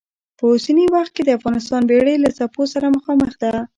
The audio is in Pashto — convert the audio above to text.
په اوسني وخت کې د افغانستان بېړۍ له څپو سره مخامخ ده.